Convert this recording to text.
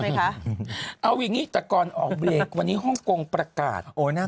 ไหมคะเอาอย่างงี้แต่ก่อนออกเบรกวันนี้ฮ่องกงประกาศโอ้น่า